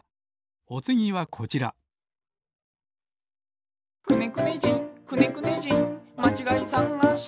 おつぎはこちら「くねくね人くねくね人まちがいさがし」